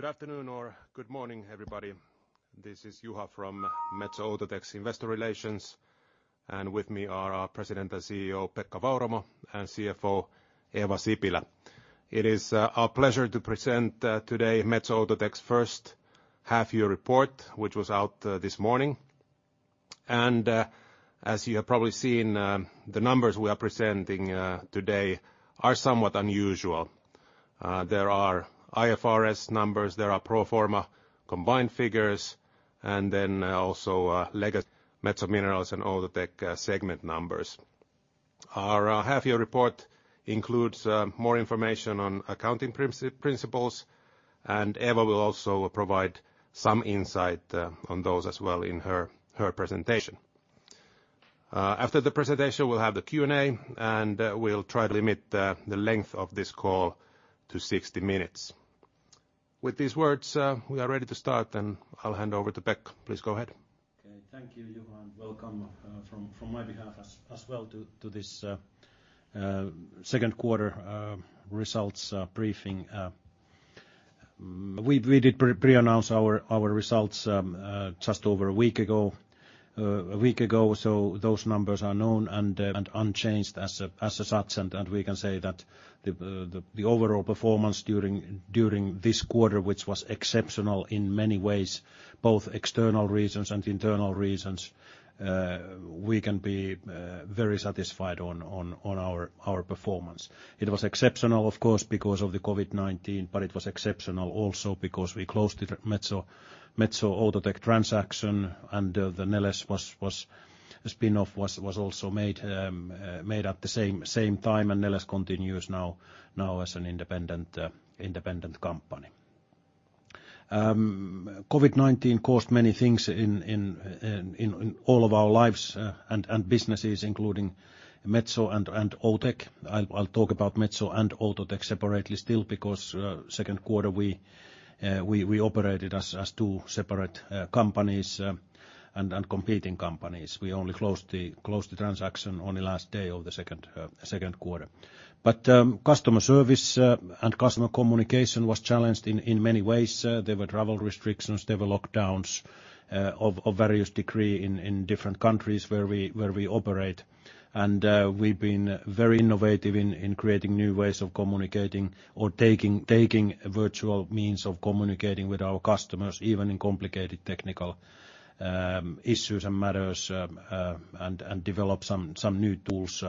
Good afternoon or good morning, everybody. This is Juha from Metso Outotec's Investor Relations, and with me are our President and CEO, Pekka Vauramo, and CFO, Eeva Sipilä. It is our pleasure to present today Metso Outotec's first half-year report, which was out this morning. As you have probably seen, the numbers we are presenting today are somewhat unusual. There are IFRS numbers, there are pro forma combined figures, and then also legacy Metso Minerals and Outotec segment numbers. Our half-year report includes more information on accounting principles, and Eeva will also provide some insight on those as well in her presentation. After the presentation, we'll have the Q&A, and we'll try to limit the length of this call to 60 minutes. With these words, we are ready to start, and I'll hand over to Pek. Please go ahead. Okay. Thank you, Juha, and welcome from my behalf as well to this second quarter results briefing. We did pre-announce our results just over a week ago. Those numbers are known and unchanged as such. We can say that the overall performance during this quarter, which was exceptional in many ways, both external reasons and internal reasons, we can be very satisfied on our performance. It was exceptional, of course, because of the COVID-19. It was exceptional also because we closed the Metso Outotec transaction. The Neles spin-off was also made at the same time, and Neles continues now as an independent company. COVID-19 caused many things in all of our lives and businesses, including Metso and Outotec. I'll talk about Metso and Outotec separately still because second quarter we operated as two separate companies and competing companies. We only closed the transaction on the last day of the second quarter. Customer service and customer communication was challenged in many ways. There were travel restrictions. There were lockdowns of various degree in different countries where we operate. We've been very innovative in creating new ways of communicating or taking virtual means of communicating with our customers, even in complicated technical issues and matters, and develop some new tools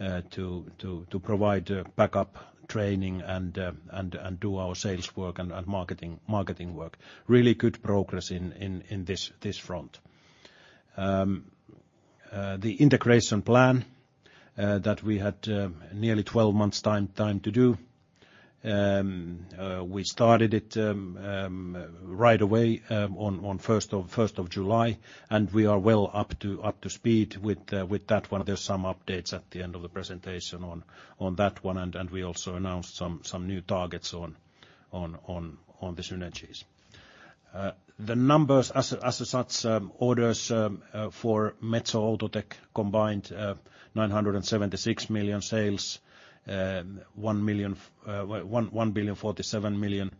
to provide backup training and do our sales work and marketing work. Really good progress in this front. The integration plan that we had nearly 12 months time to do, we started it right away on 1st of July, and we are well up to speed with that one. There's some updates at the end of the presentation on that one, and we also announced some new targets on the synergies. The numbers as such, orders for Metso Outotec combined 976 million sales and EUR 1,047 million.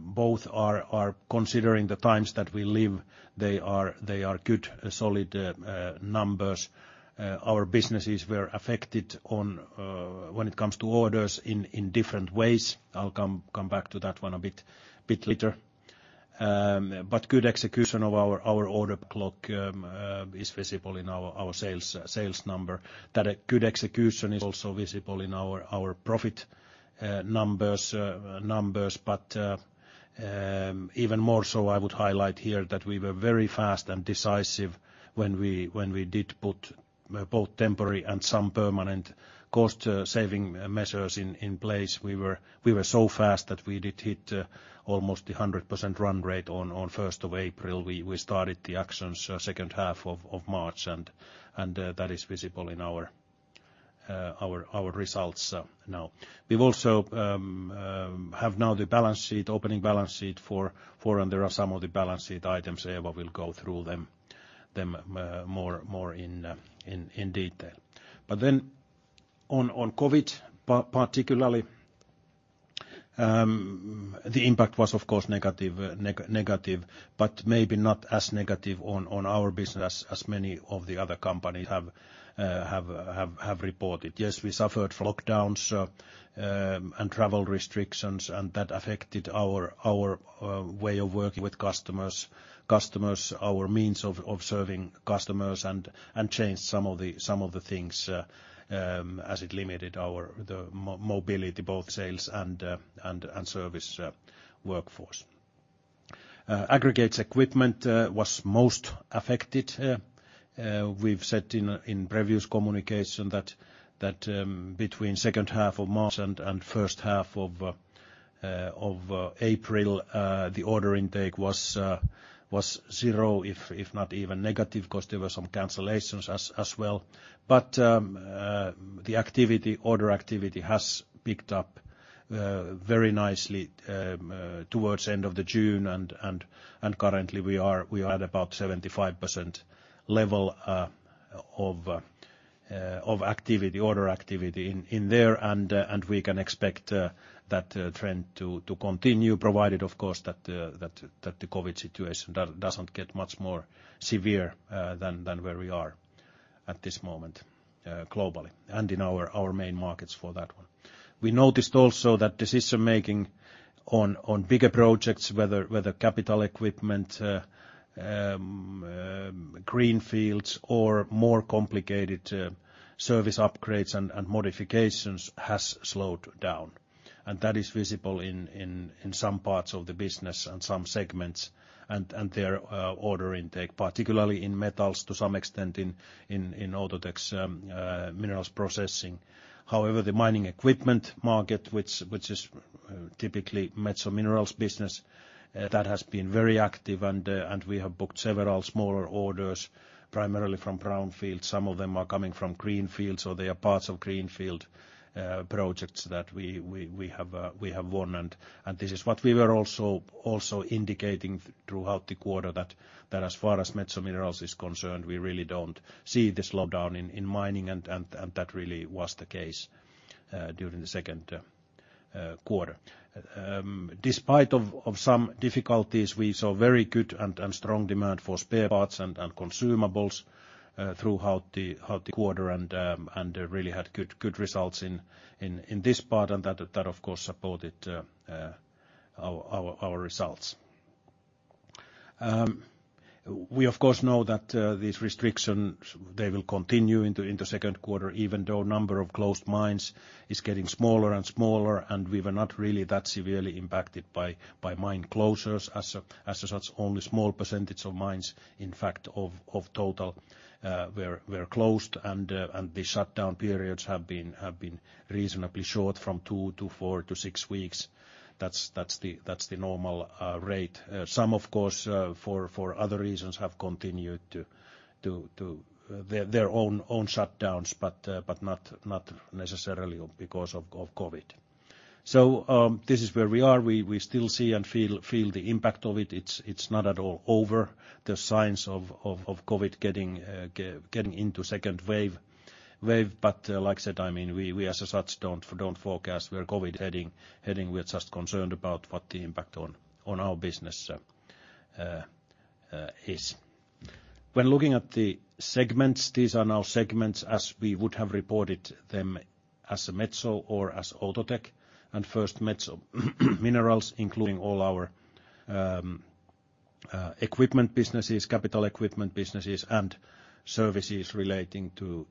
Both are considering the times that we live, they are good, solid numbers. Our businesses were affected when it comes to orders in different ways. I will come back to that one a bit later. Good execution of our order book is visible in our sales number. That good execution is also visible in our profit numbers. Even more so, I would highlight here that we were very fast and decisive when we did put both temporary and some permanent cost saving measures in place. We were so fast that we did hit almost 100% run rate on 1st of April. We started the actions second half of March, and that is visible in our results now. We also have now the opening balance sheet. There are some of the balance sheet items. Eeva will go through them more in detail. On COVID, particularly, the impact was, of course, negative, but maybe not as negative on our business as many of the other companies have reported. Yes, we suffered from lockdowns and travel restrictions, and that affected our way of working with customers, our means of serving customers, and changed some of the things as it limited our mobility, both sales and service workforce. Aggregates equipment was most affected. We've said in previous communication that between second half of March and first half of April, the order intake was zero, if not even negative, because there were some cancellations as well. The order activity has picked up very nicely towards the end of June, and currently we are at about 75% level of order activity in there, and we can expect that trend to continue, provided of course, that the COVID situation doesn't get much more severe than where we are at this moment globally and in our main markets for that one. We noticed also that decision-making on bigger projects, whether capital equipment, greenfields or more complicated service upgrades and modifications, has slowed down. That is visible in some parts of the business and some segments and their order intake, particularly in metals, to some extent in Outotec's minerals processing. However, the mining equipment market, which is typically Metso Minerals business, that has been very active and we have booked several smaller orders, primarily from brownfield. Some of them are coming from greenfield, so they are parts of greenfield projects that we have won. This is what we were also indicating throughout the quarter, that as far as Metso Minerals is concerned, we really don't see the slowdown in mining, and that really was the case during the second quarter. Despite of some difficulties, we saw very good and strong demand for spare parts and consumables throughout the quarter and really had good results in this part, and that, of course, supported our results. We of course know that these restrictions, they will continue into second quarter, even though number of closed mines is getting smaller and smaller, and we were not really that severely impacted by mine closures. Only small percentage of mines, in fact, of total, were closed and the shutdown periods have been reasonably short from two to four to six weeks. That's the normal rate. Some, of course, for other reasons, have continued their own shutdowns, but not necessarily because of COVID. This is where we are. We still see and feel the impact of it. It's not at all over. The signs of COVID getting into second wave. Like I said, we as such don't forecast where COVID heading. We are just concerned about what the impact on our business is. When looking at the segments, these are now segments as we would have reported them as Metso or as Outotec, and first Metso Minerals, including all our equipment businesses, capital equipment businesses, and services relating to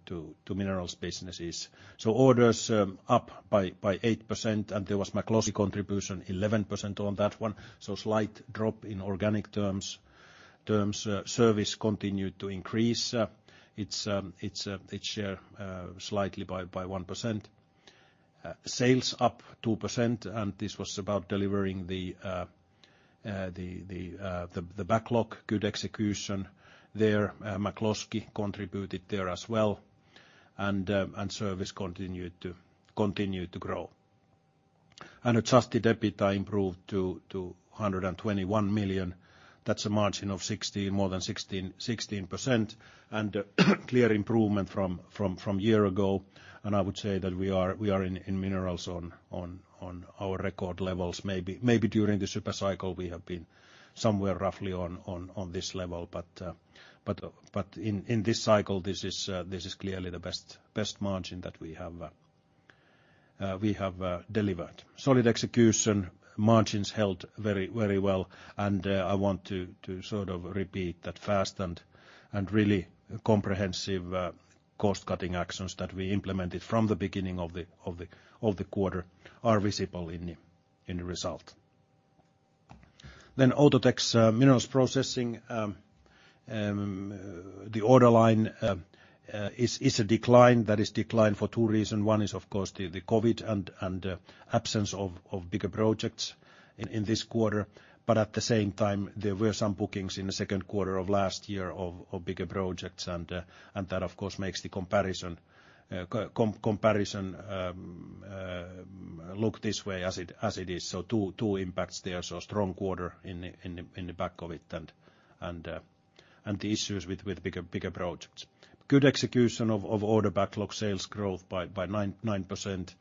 minerals businesses. Orders up by 8%, and there was McCloskey contribution 11% on that one. Slight drop in organic terms. Service continued to increase its share slightly by 1%. Sales up 2%, and this was about delivering the backlog. Good execution there. McCloskey contributed there as well. Service continued to grow. Adjusted EBITA improved to 121 million. That's a margin of more than 16%, and a clear improvement from year ago. I would say that we are in minerals on our record levels. Maybe during the super cycle, we have been somewhere roughly on this level. In this cycle, this is clearly the best margin that we have delivered. Solid execution. Margins held very well, and I want to sort of repeat that fast and really comprehensive cost-cutting actions that we implemented from the beginning of the quarter are visible in the result. Outotec's Minerals processing. The order line is a decline. That is decline for two reasons. One is, of course, the COVID and absence of bigger projects in this quarter. At the same time, there were some bookings in the second quarter of last year of bigger projects, and that, of course, makes the comparison look this way as it is. Two impacts there. Strong quarter in the back of it, and the issues with bigger projects. Good execution of order backlog sales growth by 9%,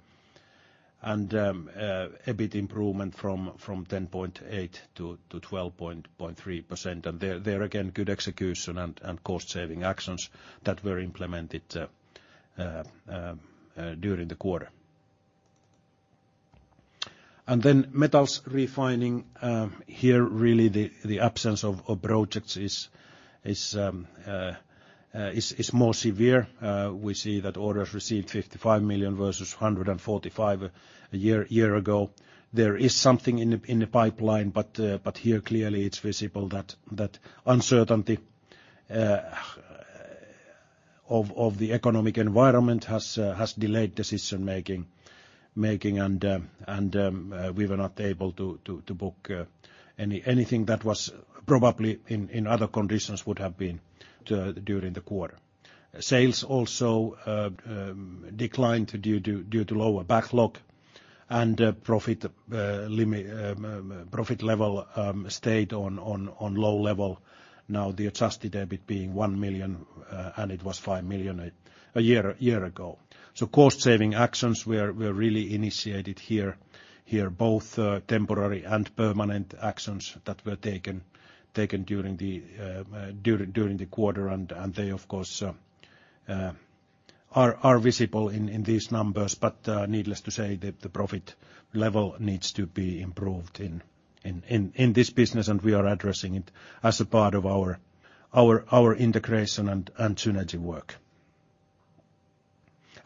and EBIT improvement from 10.8% to 12.3%. There again, good execution and cost saving actions that were implemented during the quarter. Metals Refining. Here, really the absence of projects is more severe. We see that orders received 55 million versus 145 million a year ago. There is something in the pipeline. Here, clearly it's visible that uncertainty of the economic environment has delayed decision-making, and we were not able to book anything that was probably in other conditions would have been during the quarter. Sales also declined due to lower backlog and profit level stayed on low level. Now the adjusted EBIT being 1 million, and it was 5 million a year ago. Cost saving actions were really initiated here, both temporary and permanent actions that were taken during the quarter, and they of course are visible in these numbers. Needless to say, the profit level needs to be improved in this business, and we are addressing it as a part of our integration and synergy work.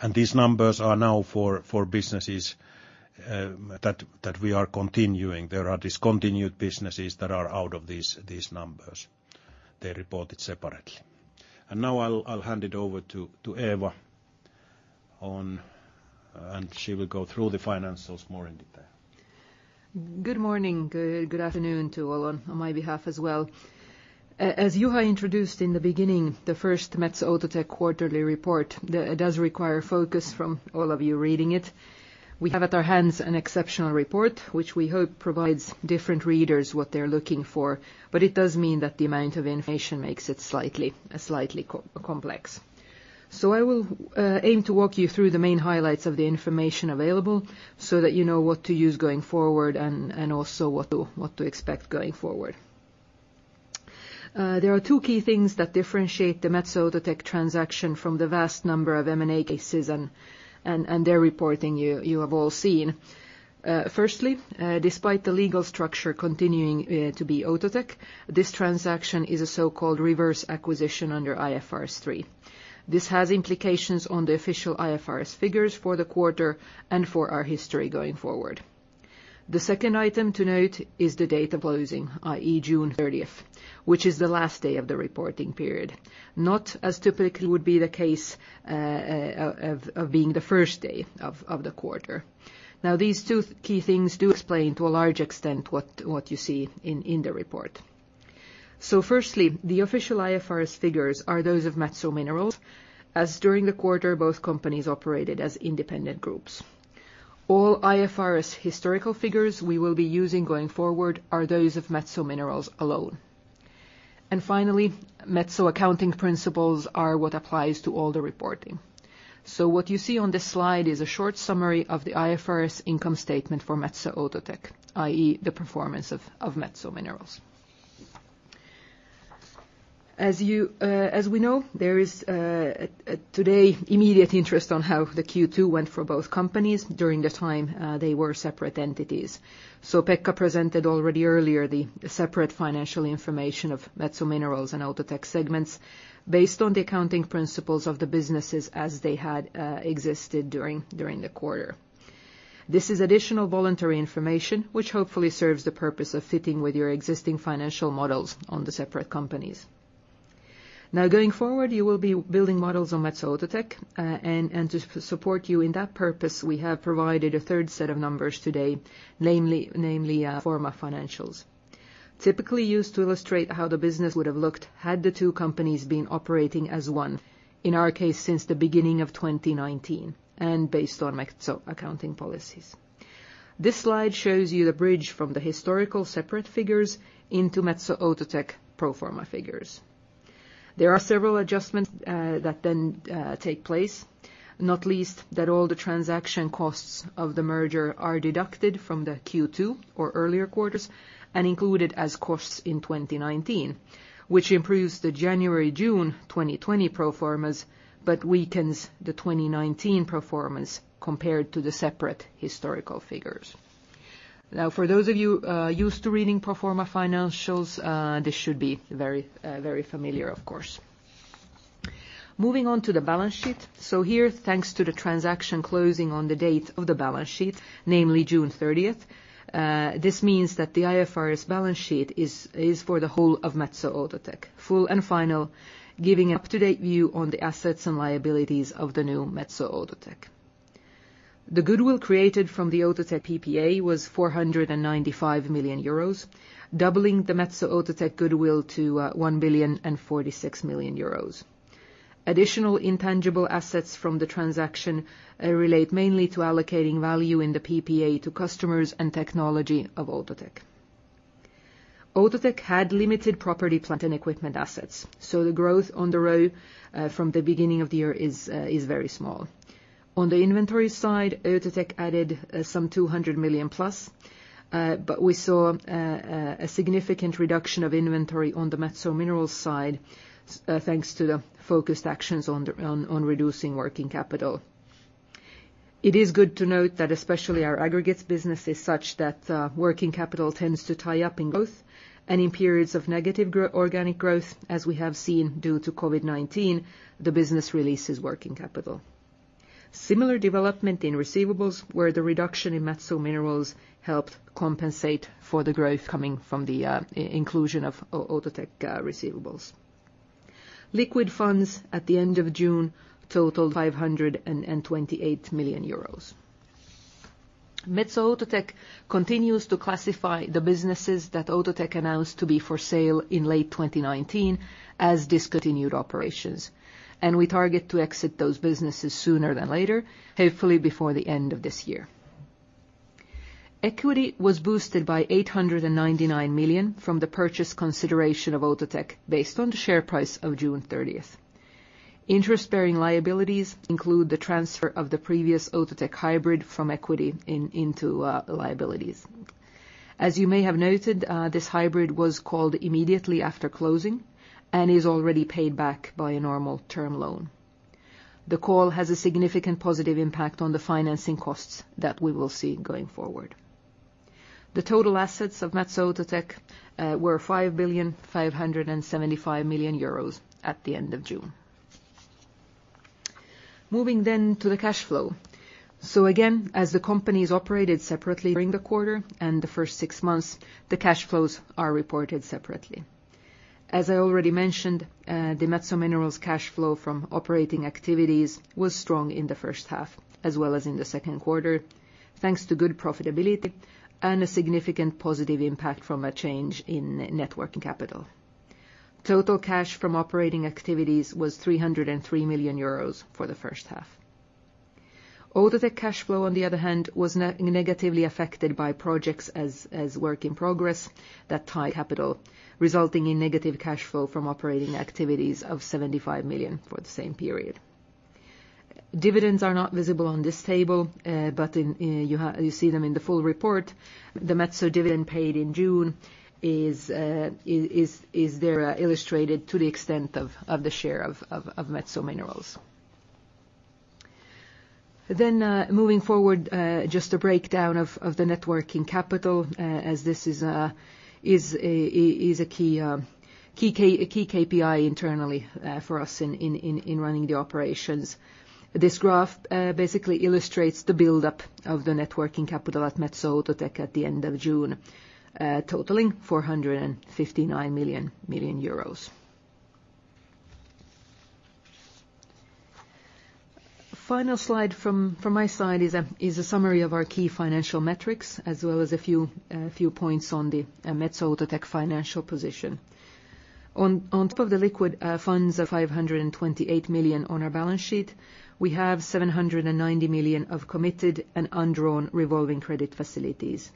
These numbers are now for businesses that we are continuing. There are discontinued businesses that are out of these numbers. They're reported separately. Now I'll hand it over to Eeva, and she will go through the financials more in detail. Good morning. Good afternoon to all on my behalf as well. As Juha introduced in the beginning, the first Metso Outotec quarterly report, it does require focus from all of you reading it. We have at our hands an exceptional report, which we hope provides different readers what they're looking for, but it does mean that the amount of information makes it slightly complex. I will aim to walk you through the main highlights of the information available so that you know what to use going forward and also what to expect going forward. There are two key things that differentiate the Metso Outotec transaction from the vast number of M&A cases and their reporting you have all seen. Firstly, despite the legal structure continuing to be Outotec, this transaction is a so-called reverse acquisition under IFRS 3. This has implications on the official IFRS figures for the quarter and for our history going forward. The second item to note is the date of closing, i.e. June 30th, which is the last day of the reporting period, not as typically would be the case of being the first day of the quarter. These two key things do explain to a large extent what you see in the report. Firstly, the official IFRS figures are those of Metso Minerals, as during the quarter both companies operated as independent groups. All IFRS historical figures we will be using going forward are those of Metso Minerals alone. Finally, Metso accounting principles are what applies to all the reporting. What you see on this slide is a short summary of the IFRS income statement for Metso Outotec, i.e. the performance of Metso Minerals. We know, there is today immediate interest on how the Q2 went for both companies during the time they were separate entities. Pekka presented already earlier the separate financial information of Metso Minerals and Outotec segments based on the accounting principles of the businesses as they had existed during the quarter. This is additional voluntary information, which hopefully serves the purpose of fitting with your existing financial models on the separate companies. Going forward, you will be building models on Metso Outotec, and to support you in that purpose, we have provided a third set of numbers today, namely pro forma financials. Typically used to illustrate how the business would have looked had the two companies been operating as one, in our case, since the beginning of 2019, and based on Metso accounting policies. This slide shows you the bridge from the historical separate figures into Metso Outotec pro forma figures. There are several adjustments that then take place, not least, that all the transaction costs of the merger are deducted from the Q2 or earlier quarters and included as costs in 2019, which improves the January, June 2020 pro formas, but weakens the 2019 pro formas compared to the separate historical figures. For those of you used to reading pro forma financials, this should be very familiar, of course. Moving on to the balance sheet. Here, thanks to the transaction closing on the date of the balance sheet, namely June 30th this means that the IFRS balance sheet is for the whole of Metso Outotec, full and final, giving an up-to-date view on the assets and liabilities of the new Metso Outotec. The goodwill created from the Outotec PPA was 495 million euros, doubling the Metso Outotec goodwill to 1,046 million euros. Additional intangible assets from the transaction relate mainly to allocating value in the PPA to customers and technology of Outotec. Outotec had limited property, plant, and equipment assets, so the growth on the row from the beginning of the year is very small. On the inventory side, Outotec added some 200 million plus, but we saw a significant reduction of inventory on the Metso Minerals side, thanks to the focused actions on reducing working capital. It is good to note that especially our aggregates business is such that working capital tends to tie up in growth, and in periods of negative organic growth, as we have seen due to COVID-19, the business releases working capital. Similar development in receivables, where the reduction in Metso Minerals helped compensate for the growth coming from the inclusion of Outotec receivables. Liquid funds at the end of June totaled 528 million euros. Metso Outotec continues to classify the businesses that Outotec announced to be for sale in late 2019 as discontinued operations. We target to exit those businesses sooner than later, hopefully before the end of this year. Equity was boosted by 899 million from the purchase consideration of Outotec based on the share price of June 30th. Interest-bearing liabilities include the transfer of the previous Outotec hybrid from equity into liabilities. As you may have noted, this hybrid was called immediately after closing and is already paid back by a normal term loan. The call has a significant positive impact on the financing costs that we will see going forward. The total assets of Metso Outotec were 5,575,000,000 euros at the end of June. Moving to the cash flow. Again, as the company has operated separately during the quarter and the first six months, the cash flows are reported separately. As I already mentioned, the Metso Minerals cash flow from operating activities was strong in the first half, as well as in the second quarter, thanks to good profitability and a significant positive impact from a change in net working capital. Total cash from operating activities was 303 million euros for the first half. Outotec cash flow, on the other hand, was negatively affected by projects as work in progress that tie capital, resulting in negative cash flow from operating activities of 75 million for the same period. Dividends are not visible on this table, but you see them in the full report. The Metso dividend paid in June is there illustrated to the extent of the share of Metso Minerals. Moving forward, just a breakdown of the net working capital, as this is a key KPI internally for us in running the operations. This graph basically illustrates the buildup of the net working capital at Metso Outotec at the end of June, totaling 459 million. Final slide from my side is a summary of our key financial metrics, as well as a few points on the Metso Outotec financial position. On top of the liquid funds of 528 million on our balance sheet, we have 790 million of committed and undrawn revolving credit facilities.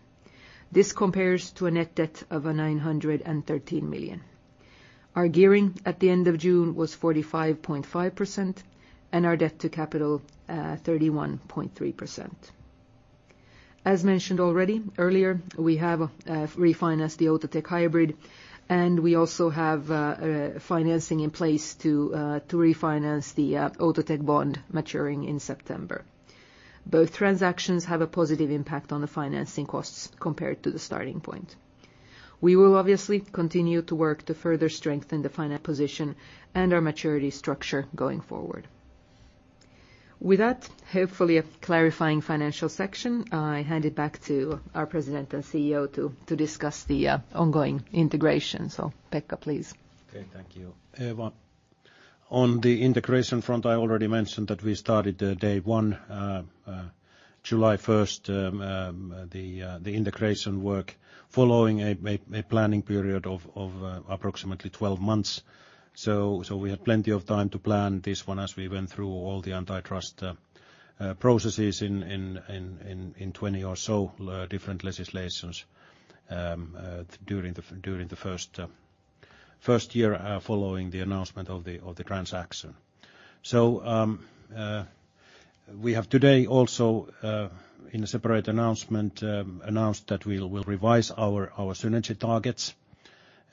This compares to a net debt of 913 million. Our gearing at the end of June was 45.5%, and our debt to capital, 31.3%. As mentioned already earlier, we have refinanced the Outotec hybrid, and we also have financing in place to refinance the Outotec bond maturing in September. Both transactions have a positive impact on the financing costs compared to the starting point. We will obviously continue to work to further strengthen the finance position and our maturity structure going forward. With that, hopefully, a clarifying financial section, I hand it back to our President and CEO to discuss the ongoing integration. Pekka, please. Okay. Thank you, Eeva. On the integration front, I already mentioned that we started the day one, July 1st, the integration work following a planning period of approximately 12 months. We had plenty of time to plan this one as we went through all the antitrust processes in 20 or so different legislations during the first year following the announcement of the transaction. We have today also, in a separate announcement, announced that we will revise our synergy targets,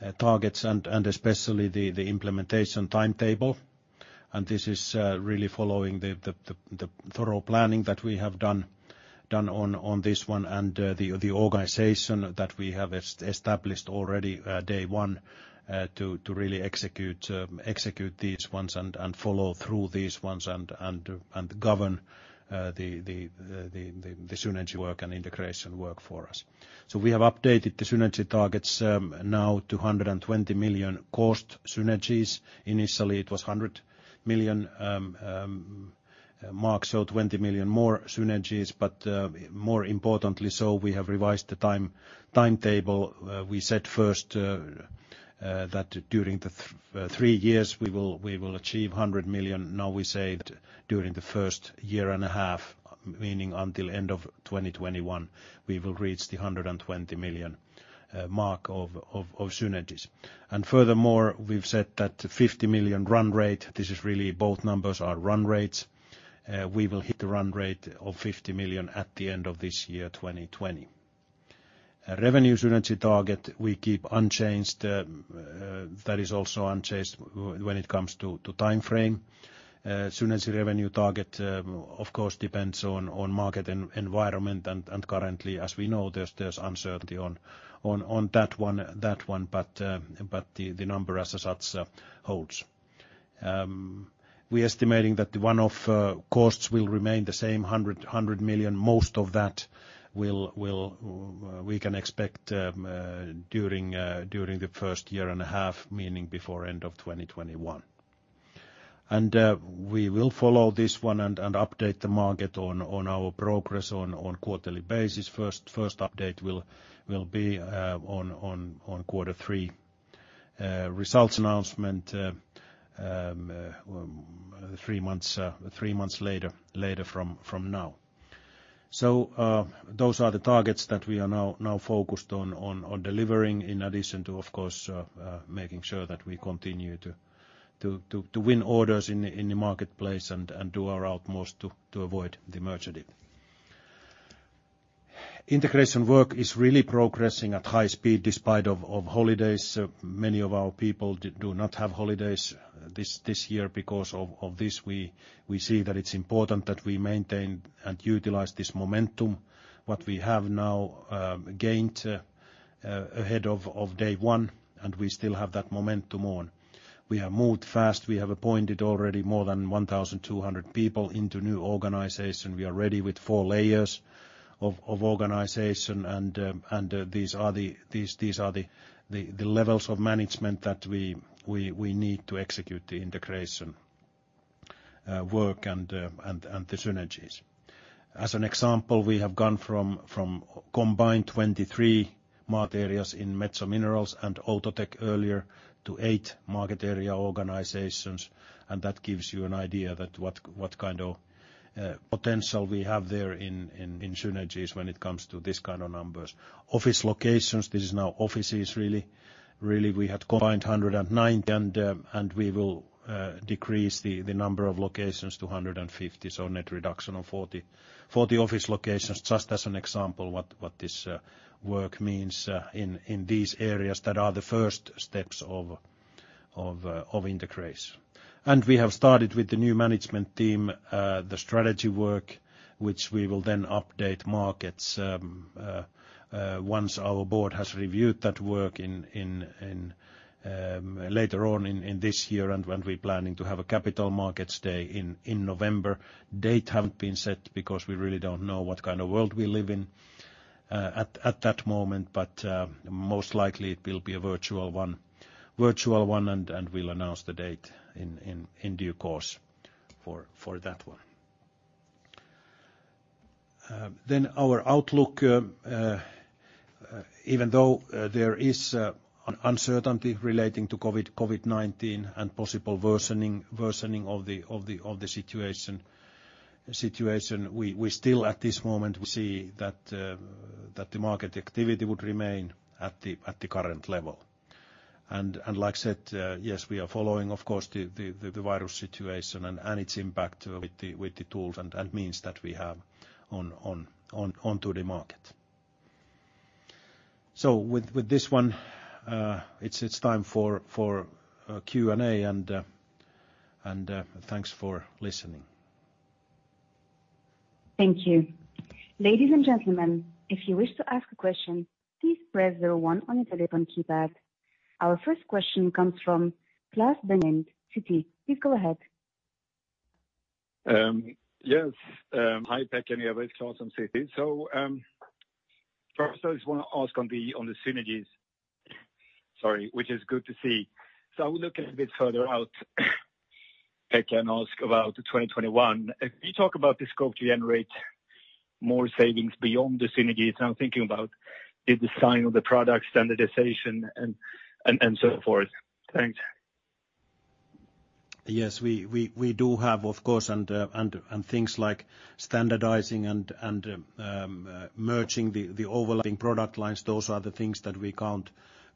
and especially the implementation timetable, and this is really following the thorough planning that we have done on this one and the organization that we have established already day one to really execute these ones and follow through these ones and govern the synergy work and integration work for us. We have updated the synergy targets now to 120 million cost synergies. Initially, it was 100 million mark, so 20 million more synergies, but more importantly so, we have revised the timetable. We said first that during the three years we will achieve 100 million. Now we say that during the first year and a half, meaning until end of 2021, we will reach the 120 million mark of synergies. Furthermore, we've said that 50 million run rate, this is really both numbers are run rates. We will hit the run rate of 50 million at the end of this year, 2020. Revenue synergy target we keep unchanged. That is also unchanged when it comes to timeframe. Synergy revenue target, of course, depends on market environment, and currently, as we know, there's uncertainty on that one, but the number as such holds. We are estimating that the one-off costs will remain the same, 100 million. Most of that we can expect during the first year and a half, meaning before end of 2021. We will follow this one and update the market on our progress on quarterly basis. First update will be on quarter three results announcement, three months later from now. Those are the targets that we are now focused on delivering, in addition to, of course, making sure that we continue to win orders in the marketplace and do our utmost to avoid the merger dip. Integration work is really progressing at high speed despite of holidays. Many of our people do not have holidays this year because of this. We see that it's important that we maintain and utilize this momentum, what we have now gained ahead of day one. We still have that momentum on. We have moved fast. We have appointed already more than 1,200 people into new organization. We are ready with four layers of organization and these are the levels of management that we need to execute the integration work and the synergies. As an example, we have gone from combined 23 market areas in Metso Minerals and Outotec earlier to eight market area organizations. That gives you an idea that what kind of potential we have there in synergies when it comes to this kind of numbers. Office locations, this is now offices really. We had combined 109, and we will decrease the number of locations to 150, so net reduction of 40 office locations, just as an example, what this work means in these areas that are the first steps of integration. We have started with the new management team, the strategy work, which we will update markets once our board has reviewed that work later on in this year and when we're planning to have a capital markets day in November. Date haven't been set because we really don't know what kind of world we live in at that moment. Most likely it will be a virtual one, and we'll announce the date in due course for that one. Our outlook even though there is uncertainty relating to COVID-19 and possible worsening of the situation, we still at this moment, we see that the market activity would remain at the current level. Like I said, yes, we are following, of course, the virus situation and its impact with the tools and means that we have onto the market. With this one, it's time for Q&A, and thanks for listening. Thank you. Ladies and gentlemen, if you wish to ask a question, please press zero one on your telephone keypad. Our first question comes from Klas Bergelind, Citi. Please go ahead. Yes. Hi, Pekka and others, Klas from Citi. First, I just want to ask on the synergies, sorry, which is good to see. I will look a bit further out, Pekka, and ask about 2021. If you talk about the scope to generate more savings beyond the synergies, and I'm thinking about the design of the product standardization and so forth. Thanks. Yes, we do have, of course, and things like standardizing and merging the overlapping product lines, those are the things that we count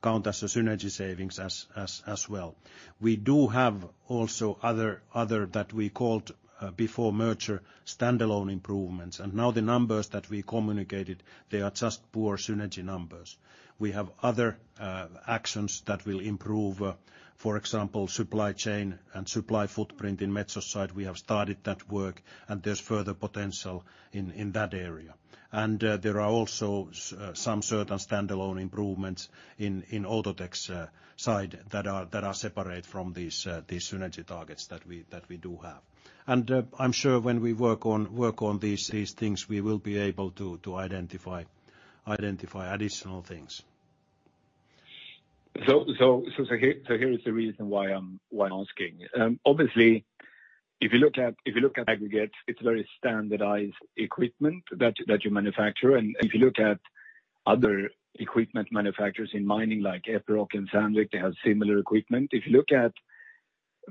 as synergy savings as well. We do have also other, that we called before merger, standalone improvements. Now the numbers that we communicated, they are just pure synergy numbers. We have other actions that will improve, for example, supply chain and supply footprint in Metso side. We have started that work, and there's further potential in that area. There are also some certain standalone improvements in Outotec's side that are separate from these synergy targets that we do have. I'm sure when we work on these things, we will be able to identify additional things. Here is the reason why I'm asking. Obviously, if you look at aggregate, it's very standardized equipment that you manufacture. If you look at other equipment manufacturers in mining like Epiroc and Sandvik, they have similar equipment. If you look at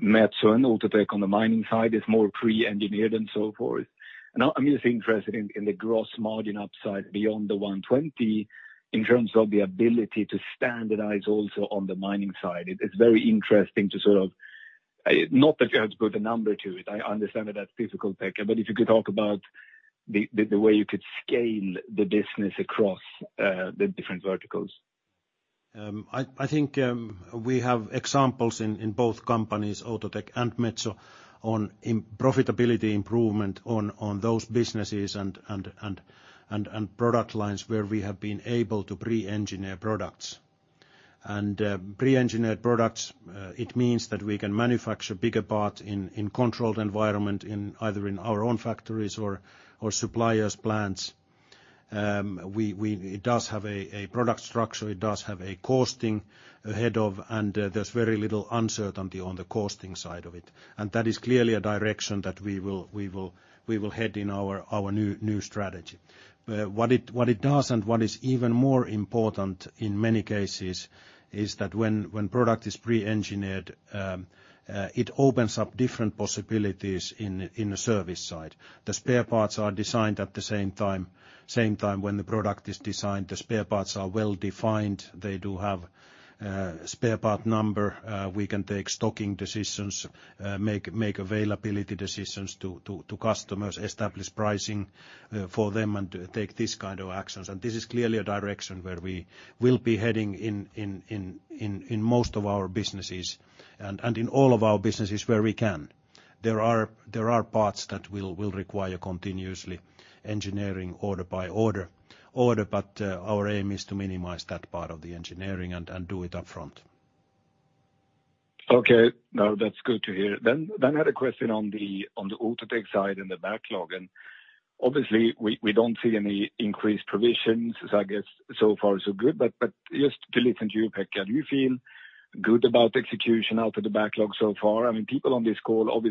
Metso and Outotec on the mining side, it's more pre-engineered and so forth. I'm just interested in the gross margin upside beyond the 120 in terms of the ability to standardize also on the mining side. Not that you have to put a number to it. I understand that that's difficult, Pekka. If you could talk about the way you could scale the business across the different verticals. I think we have examples in both companies, Outotec and Metso, on profitability improvement on those businesses and product lines where we have been able to pre-engineer products. Pre-engineered products, it means that we can manufacture bigger part in controlled environment in either in our own factories or suppliers' plants. It does have a product structure, it does have a costing ahead of, and there is very little uncertainty on the costing side of it. That is clearly a direction that we will head in our new strategy. What it does, and what is even more important in many cases, is that when product is pre-engineered, it opens up different possibilities in the service side. The spare parts are designed at the same time when the product is designed. The spare parts are well-defined. They do have spare part number. We can take stocking decisions, make availability decisions to customers, establish pricing for them, and take this kind of actions. This is clearly a direction where we will be heading in most of our businesses, and in all of our businesses where we can. There are parts that will require continuously engineering order by order. Our aim is to minimize that part of the engineering and do it up front. Okay. No, that's good to hear. I had a question on the Outotec side and the backlog. Obviously, we don't see any increased provisions. I guess, so far, so good. Just to listen to you, Pekka, do you feel good about execution out of the backlog so far? People on this call are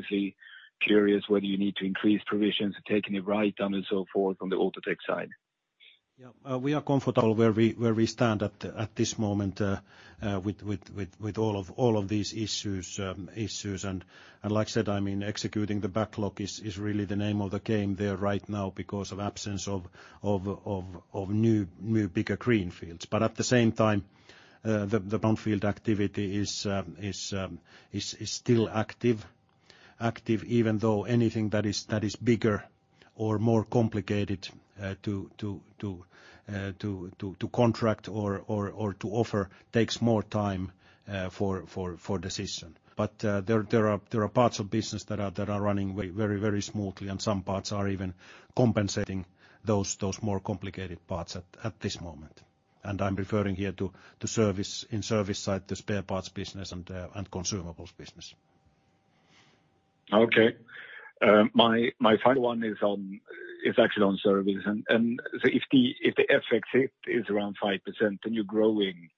obviously curious whether you need to increase provisions, take any write-down, and so forth, on the Outotec side. Yeah. We are comfortable where we stand at this moment with all of these issues. Like I said, executing the backlog is really the name of the game there right now because of absence of new bigger greenfields. At the same time, the brownfield activity is still active even though anything that is bigger or more complicated to contract or to offer takes more time for decision. There are parts of business that are running very smoothly, and some parts are even compensating those more complicated parts at this moment. I'm referring here to in service side, the spare parts business and consumables business. Okay. My final one is actually on service. If the FX hit is around 5%, then you're growing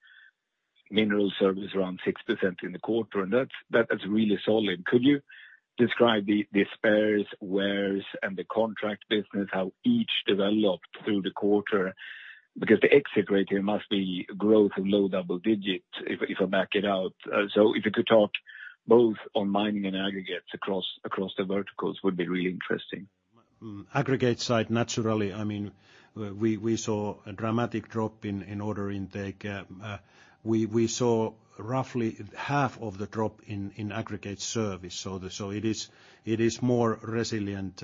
mineral service around 6% in the quarter, and that is really solid. Could you describe the spares, wears, and the contract business, how each developed through the quarter? The exit rate here must be growth of low double digits, if I back it out. If you could talk both on mining and aggregates across the verticals would be really interesting. Aggregate side, naturally, we saw a dramatic drop in order intake. We saw roughly half of the drop in aggregate service. It is more resilient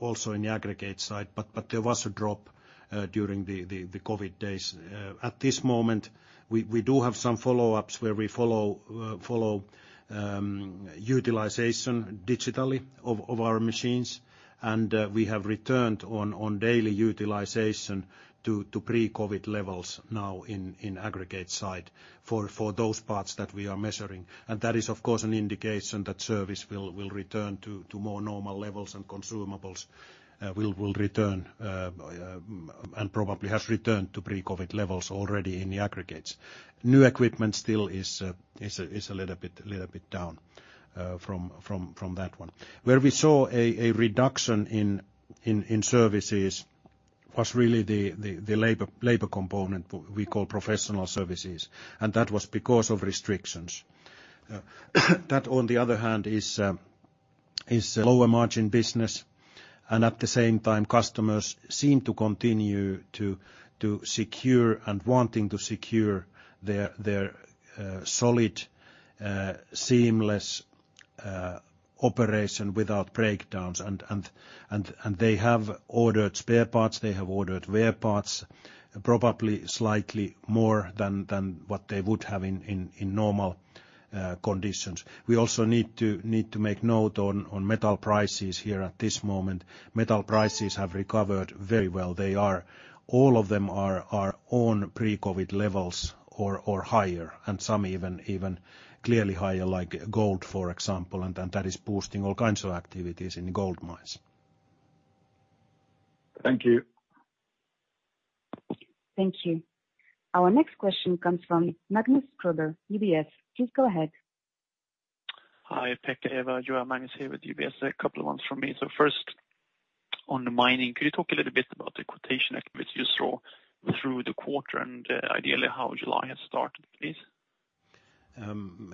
also in the aggregate side. There was a drop during the COVID days. At this moment, we do have some follow-ups where we follow utilization digitally of our machines. We have returned on daily utilization to pre-COVID levels now in aggregate side for those parts that we are measuring. That is, of course, an indication that service will return to more normal levels, and consumables will return, and probably has returned to pre-COVID levels already in the aggregates. New equipment still is a little bit down from that one. Where we saw a reduction in services was really the labor component we call professional services, and that was because of restrictions. That, on the other hand, is a lower margin business. At the same time, customers seem to continue to secure and wanting to secure their solid seamless operation without breakdowns. They have ordered spare parts, they have ordered wear parts, probably slightly more than what they would have in normal conditions. We also need to make note on metal prices here at this moment. Metal prices have recovered very well. All of them are on pre-COVID levels or higher, and some even clearly higher, like gold, for example, and that is boosting all kinds of activities in gold mines. Thank you. Thank you. Our next question comes from Magnus Kruber, UBS. Please go ahead. Hi, Pekka, Eeva. Magnus here with UBS. A couple of ones from me. First, on the mining, could you talk a little bit about the quotation activity you saw through the quarter and ideally how July has started, please?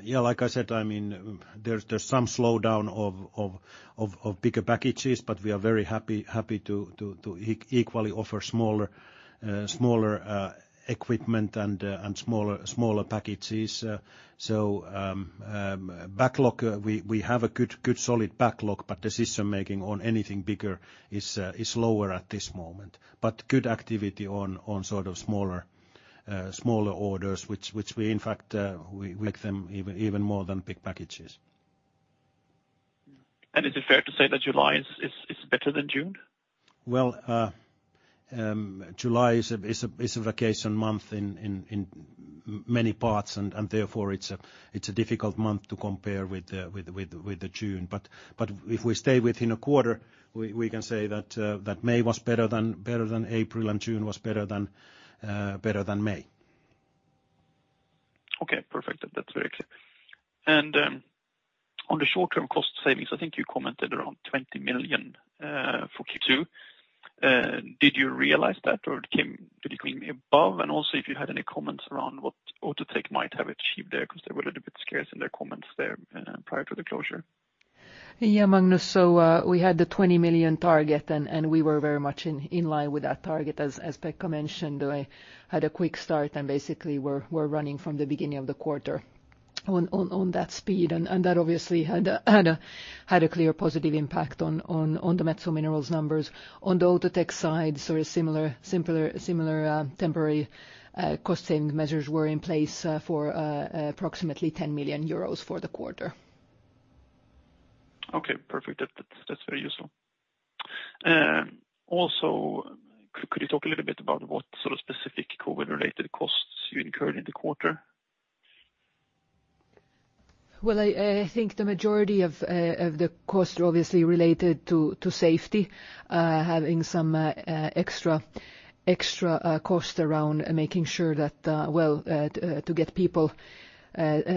Like I said, there's some slowdown of bigger packages, but we are very happy to equally offer smaller equipment and smaller packages. Backlog, we have a good solid backlog, but decision-making on anything bigger is lower at this moment. Good activity on smaller orders, which we, in fact, we make them even more than big packages. Is it fair to say that July is better than June? Well, July is a vacation month in many parts and therefore it is a difficult month to compare with June. If we stay within a quarter, we can say that May was better than April and June was better than May. Okay, perfect. That's very clear. On the short term cost savings, I think you commented around 20 million for Q2. Did you realize that, or it came pretty above? If you had any comments around what Outotec might have achieved there, because they were a little bit scarce in their comments there, prior to the closure. Yeah, Magnus. We had the 20 million target, and we were very much in line with that target as Pekka mentioned. I had a quick start and basically we're running from the beginning of the quarter on that speed, and that obviously had a clear positive impact on the Metso Minerals numbers. On the Outotec side, similar temporary cost saving measures were in place for approximately 10 million euros for the quarter. Okay, perfect. That's very useful. Also, could you talk a little bit about what sort of specific COVID related costs you incurred in the quarter? Well, I think the majority of the costs are obviously related to safety. Having some extra cost around making sure to get people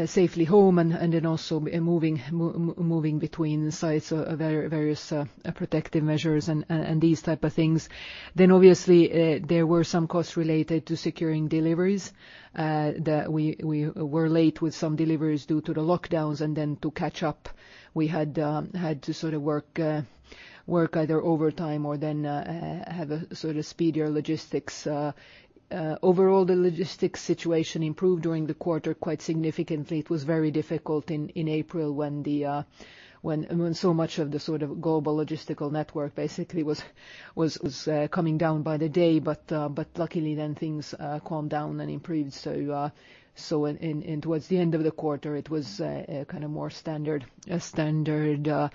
safely home and then also moving between sites are various protective measures and these type of things. Obviously, there were some costs related to securing deliveries, that we were late with some deliveries due to the lockdowns. To catch up, we had to sort of work either overtime or then have a speedier logistics. Overall, the logistics situation improved during the quarter quite significantly. It was very difficult in April when so much of the global logistical network basically was coming down by the day. Luckily then things calmed down and improved. In towards the end of the quarter it was kind of more standard. Took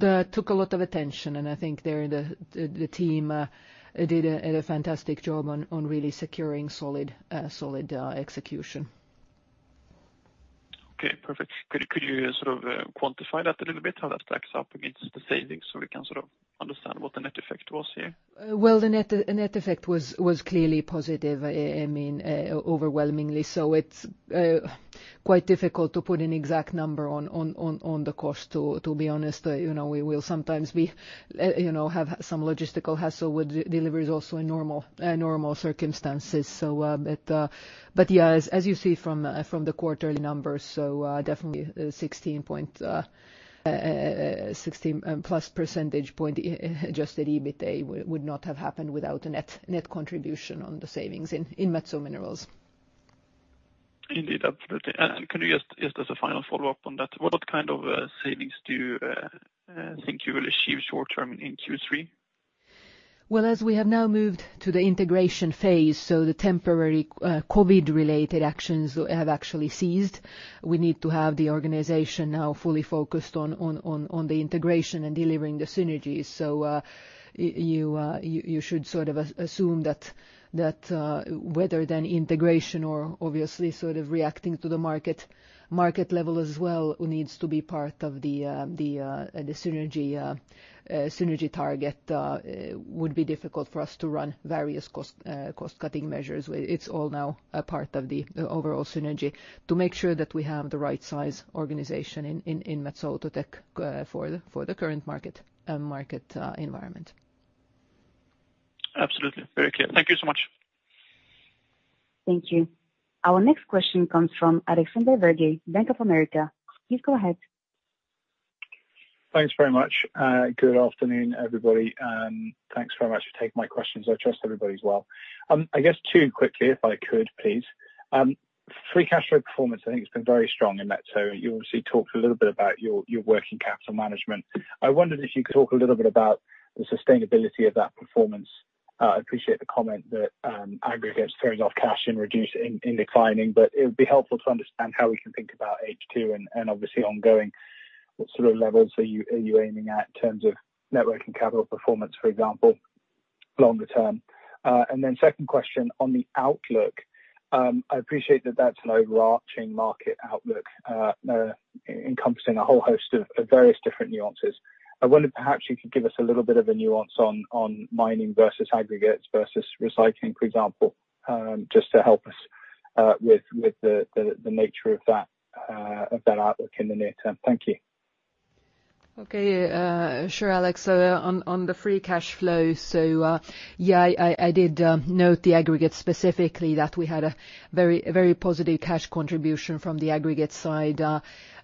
a lot of attention and I think there the team did a fantastic job on really securing solid execution. Okay, perfect. Could you sort of quantify that a little bit, how that stacks up against the savings so we can sort of understand what the net effect was here? Well, the net effect was clearly positive. I mean, overwhelmingly so it's quite difficult to put an exact number on the cost, to be honest. We will sometimes have some logistical hassle with deliveries also in normal circumstances. As you see from the quarterly numbers, definitely 16 plus percentage point adjusted EBITA would not have happened without a net contribution on the savings in Metso Minerals. Indeed, absolutely. Can you just as a final follow-up on that, what kind of savings do you think you will achieve short term in Q3? As we have now moved to the integration phase, the temporary COVID related actions have actually ceased. We need to have the organization now fully focused on the integration and delivering the synergies. You should sort of assume that whether integration or obviously reacting to the market level as well needs to be part of the synergy target, would be difficult for us to run various cost cutting measures. It's all now a part of the overall synergy to make sure that we have the right size organization in Metso Outotec for the current market environment. Absolutely. Very clear. Thank you so much. Thank you. Our next question comes from Alexander Virgo, Bank of America. Please go ahead. Thanks very much. Good afternoon, everybody, and thanks very much for taking my questions. I trust everybody's well. I guess two quickly, if I could, please. Free cash flow performance, I think it's been very strong in Metso. You obviously talked a little bit about your working capital management. I wondered if you could talk a little bit about the sustainability of that performance. I appreciate the comment that aggregates throwing off cash in declining, but it would be helpful to understand how we can think about H2 and obviously ongoing, what sort of levels are you aiming at in terms of net working capital performance, for example, longer term. Then second question on the outlook. I appreciate that that's an overarching market outlook encompassing a whole host of various different nuances. I wonder if perhaps you could give us a little bit of a nuance on mining versus aggregates versus recycling, for example, just to help us with the nature of that outlook in the near term. Thank you. Okay. Sure, Alex. On the free cash flow, I did note the aggregate specifically that we had a very positive cash contribution from the aggregate side.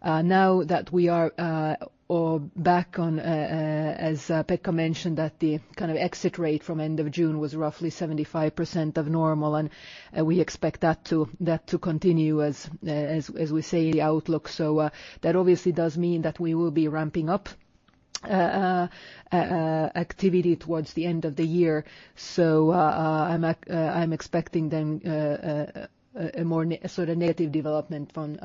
Now that we are back on, as Pekka mentioned, that the exit rate from end of June was roughly 75% of normal, and we expect that to continue as we say in the outlook. I'm expecting then a more sort of negative development from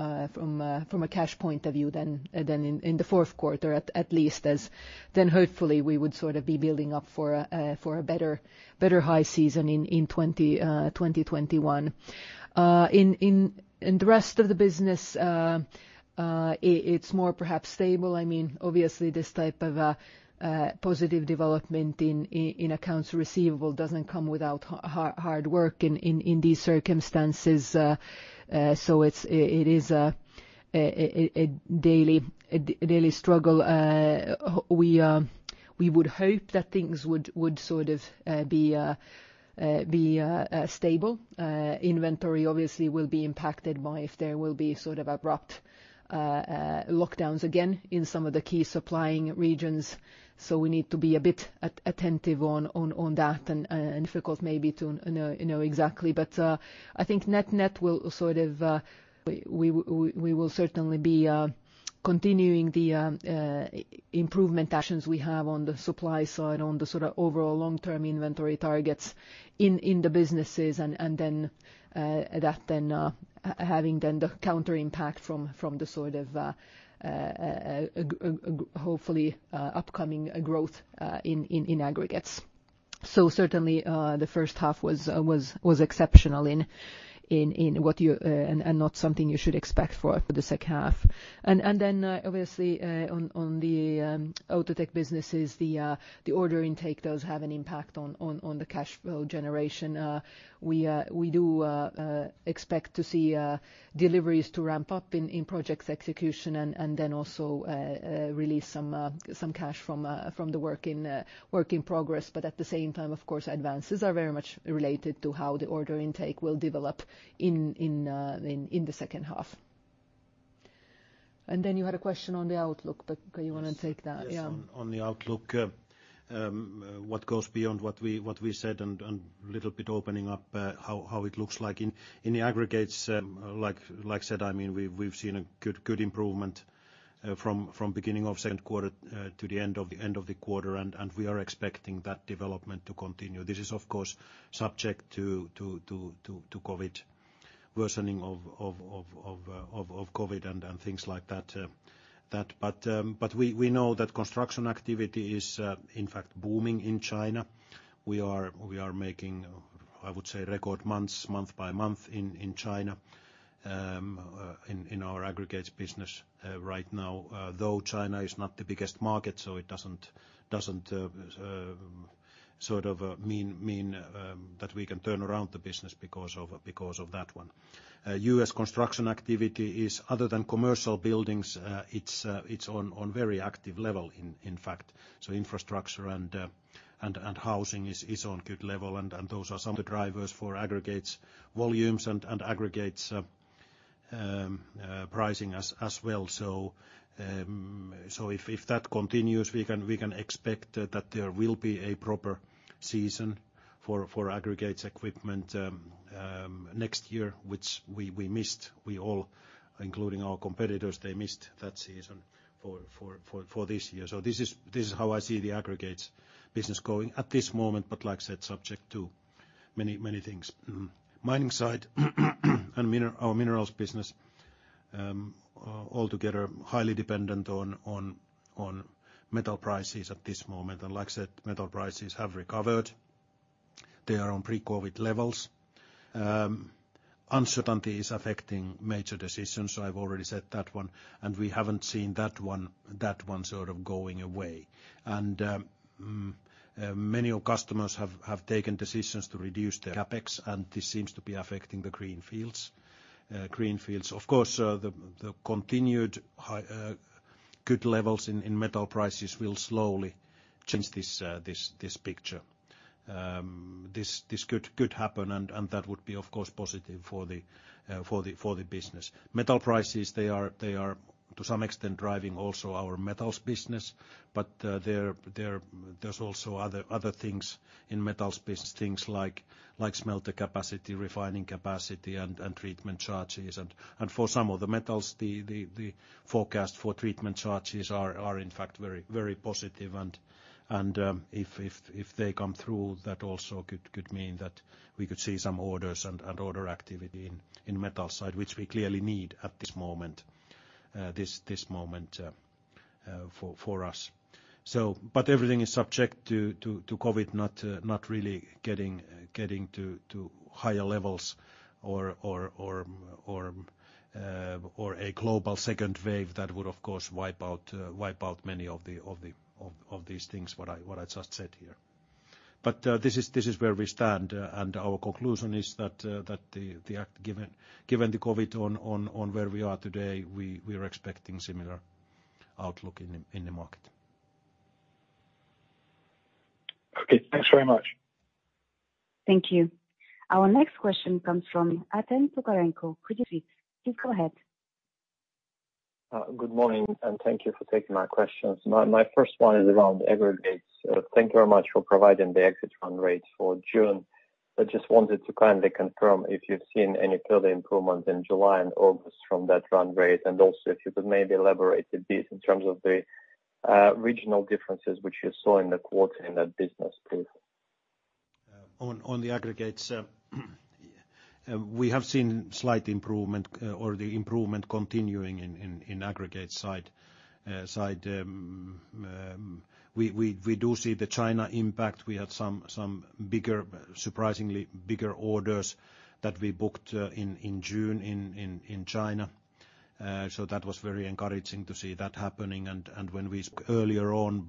a cash point of view than in the fourth quarter, at least, as then hopefully we would be building up for a better high season in 2021. In the rest of the business, it's more perhaps stable. Obviously, this type of positive development in accounts receivable doesn't come without hard work in these circumstances. It is a daily struggle. We would hope that things would be stable. Inventory obviously will be impacted by if there will be abrupt lockdowns again in some of the key supplying regions. We need to be a bit attentive on that, and difficult maybe to know exactly. I think net We will certainly be continuing the improvement actions we have on the supply side, on the overall long-term inventory targets in the businesses, and then that then having then the counter impact from the hopefully upcoming growth in aggregates. Certainly, the first half was exceptional and not something you should expect for the second half. Obviously, on the Outotec businesses, the order intake does have an impact on the cash flow generation. We do expect to see deliveries to ramp up in projects execution and then also release some cash from the work in progress. At the same time, of course, advances are very much related to how the order intake will develop in the second half. Then you had a question on the outlook, but you want to take that? Yeah. Yes. On the outlook, what goes beyond what we said and little bit opening up how it looks like. In the aggregates, like I said, we've seen a good improvement from beginning of second quarter to the end of the quarter. We are expecting that development to continue. This is, of course, subject to worsening of COVID and things like that. We know that construction activity is, in fact, booming in China. We are making, I would say, record months, month by month in China in our aggregates business right now, though China is not the biggest market, it doesn't sort of mean that we can turn around the business because of that one. U.S. construction activity is, other than commercial buildings, it's on very active level, in fact. Infrastructure and housing is on good level, and those are some of the drivers for aggregates volumes and aggregates pricing as well. If that continues, we can expect that there will be a proper season for aggregates equipment next year, which we missed. We all, including our competitors, they missed that season for this year. This is how I see the aggregates business going at this moment, but like I said, subject to many things. Mining side and our minerals business altogether are highly dependent on metal prices at this moment. Like I said, metal prices have recovered. They are on pre-COVIDlevels. Uncertainty is affecting major decisions. I've already said that one, and we haven't seen that one sort of going away. Many of our customers have taken decisions to reduce their CapEx, and this seems to be affecting the greenfields. Of course, the continued good levels in metal prices will slowly change this picture. This could happen. That would be, of course, positive for the business. Metal prices, they are to some extent driving also our metals business. There's also other things in metals business, things like smelter capacity, refining capacity, and treatment charges. For some of the metals, the forecast for treatment charges are in fact very positive, and if they come through, that also could mean that we could see some orders and order activity in metal side, which we clearly need at this moment for us. Everything is subject to COVID not really getting to higher levels or a global second wave that would of course wipe out many of these things what I just said here. This is where we stand, and our conclusion is that given the COVID on where we are today, we are expecting similar outlook in the market. Okay, thanks very much. Thank you. Our next question comes from Artem Tokarenko, Credit Suisse. Please go ahead. Good morning. Thank you for taking my questions. My first one is around aggregates. Thank you very much for providing the exit run rates for June. I just wanted to kindly confirm if you've seen any further improvements in July and August from that run rate. Also, if you could maybe elaborate a bit in terms of the regional differences which you saw in the quarter in that business, please. The aggregates, we have seen slight improvement or the improvement continuing in aggregate side. We do see the China impact. We had some surprisingly bigger orders that we booked in June in China. That was very encouraging to see that happening. When we earlier on,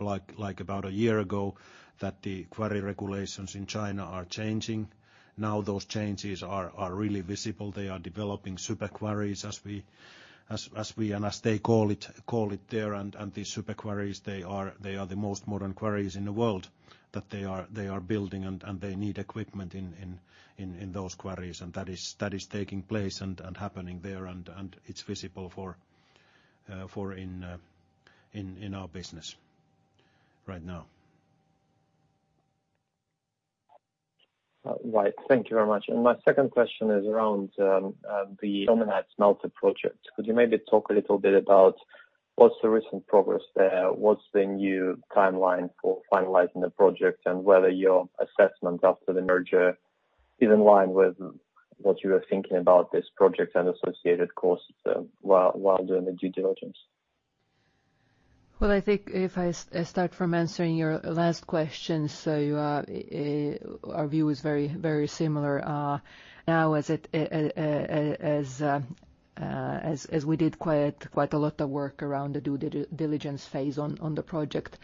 about a year ago, that the quarry regulations in China are changing, now those changes are really visible. They are developing super quarry as we and as they call it there. These super quarry, they are the most modern quarries in the world, that they are building and they need equipment in those quarries. That is taking place and happening there, and it's visible in our business right now. Right. Thank you very much. My second question is around the Dominance smelter project. Could you maybe talk a little bit about what's the recent progress there, what's the new timeline for finalizing the project, and whether your assessment after the merger is in line with what you were thinking about this project and associated costs while doing the due diligence? I think if I start from answering your last question, our view is very similar now as we did quite a lot of work around the due diligence phase on the project.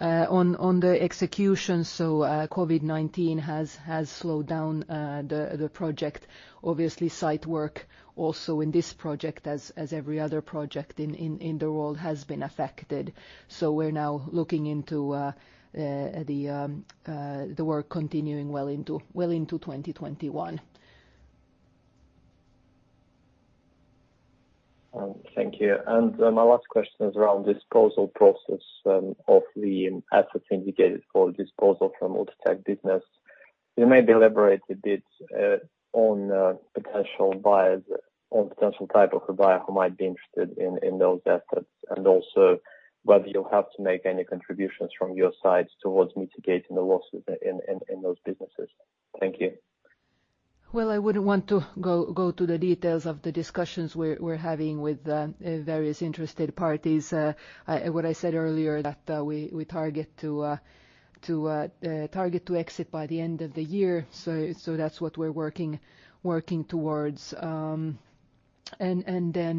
On the execution, COVID-19 has slowed down the project. Obviously, site work also in this project, as every other project in the world, has been affected. We're now looking into the work continuing well into 2021. Thank you. My last question is around disposal process of the assets indicated for disposal from Outotec business. Can you maybe elaborate a bit on potential buyers, on potential type of a buyer who might be interested in those assets, and also whether you'll have to make any contributions from your side towards mitigating the losses in those businesses? Thank you. Well, I wouldn't want to go to the details of the discussions we're having with various interested parties. What I said earlier, that we target to exit by the end of the year. That's what we're working towards. Then,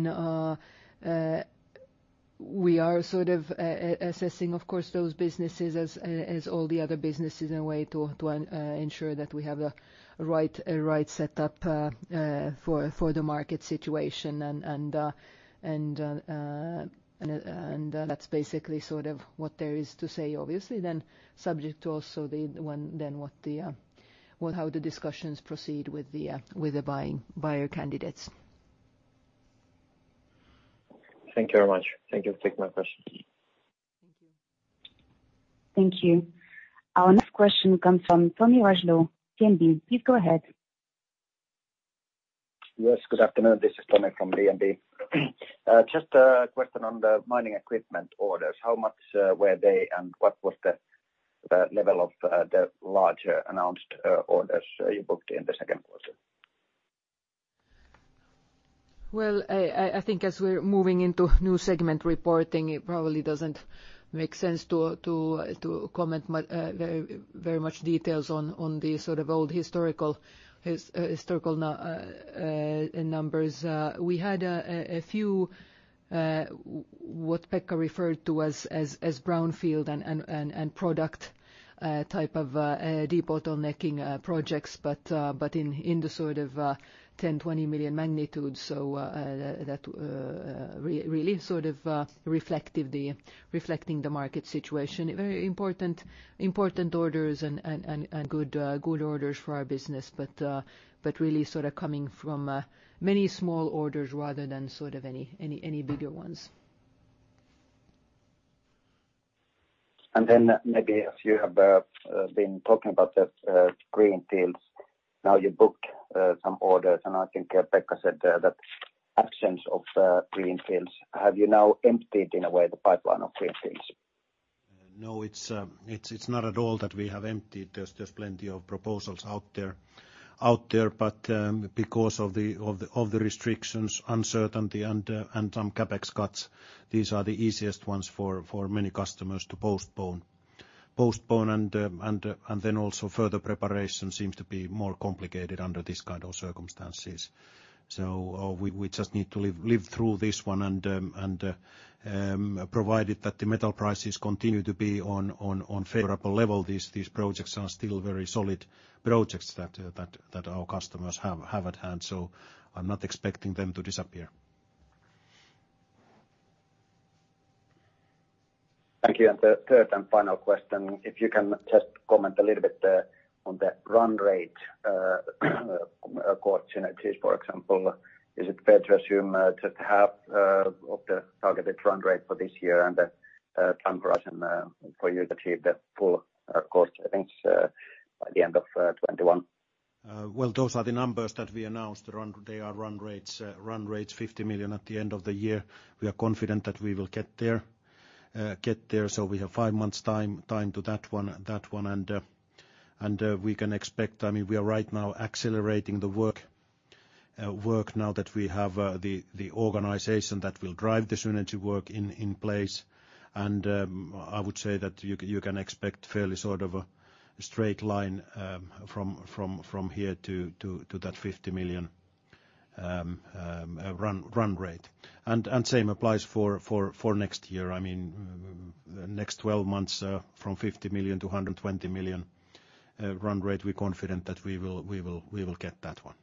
we are assessing, of course, those businesses as all the other businesses in a way to ensure that we have a right setup for the market situation. That's basically sort of what there is to say, obviously, then subject to also how the discussions proceed with the buyer candidates. Thank you very much. Thank you for taking my questions. Thank you. Our next question comes from Tomi Railo, DNB. Please go ahead. Yes, good afternoon. This is Tomi from DNB. Just a question on the mining equipment orders. How much were they and what was the level of the larger announced orders you booked in the second quarter? I think as we're moving into new segment reporting, it probably doesn't make sense to comment very much details on the old historical numbers. We had a few, what Pekka referred to as brownfield and product type of de-bottlenecking projects, but in the sort of 10 million-20 million magnitude. That really reflecting the market situation. Very important orders and good orders for our business. Really coming from many small orders rather than any bigger ones. Maybe as you have been talking about the greenfields, now you booked some orders, and I think Pekka said that actions of greenfields. Have you now emptied, in a way, the pipeline of greenfields? No, it's not at all that we have emptied. There's plenty of proposals out there. Because of the restrictions, uncertainty, and some CapEx cuts, these are the easiest ones for many customers to postpone. Also further preparation seems to be more complicated under this kind of circumstances. We just need to live through this one and provided that the metal prices continue to be on favorable level, these projects are still very solid projects that our customers have at hand. I'm not expecting them to disappear. Thank you. The third and final question, if you can just comment a little bit on the run rate cost synergies, for example, is it fair to assume just half of the targeted run rate for this year and the time horizon for you to achieve the full cost savings by the end of 2021? Well, those are the numbers that we announced. They are run rates, 50 million at the end of the year. We are confident that we will get there. We have five months time to that one, and we are right now accelerating the work now that we have the organization that will drive the synergy work in place. I would say that you can expect fairly a straight line from here to that 50 million run rate. Same applies for next year. The next 12 months from 50 million to 120 million run rate, we're confident that we will get that one.